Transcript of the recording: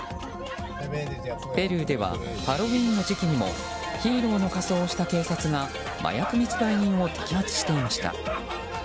ペルーではハロウィーンの時期にもヒーローの仮装をした警察が麻薬密売人を摘発していました。